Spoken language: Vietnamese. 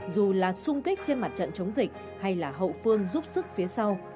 dù là sung kích trên mặt trận chống dịch hay là hậu phương giúp sức phía sau